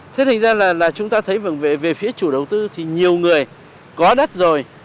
thế thành ra là chúng ta thấy về phía chủ đầu tư thì nhiều người có đất rồi